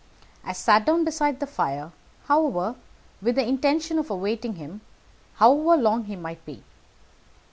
I sat down beside the fire, however, with the intention of awaiting him, however long he might be.